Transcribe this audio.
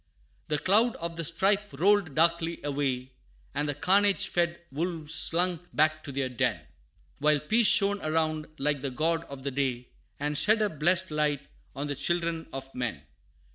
The cloud of the strife rolled darkly away And the carnage fed wolves slunk back to their den While Peace shone around like the god of the day, And shed her blest light on the children of men.